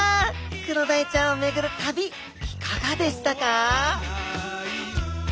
クロダイちゃんを巡る旅いかがでしたか？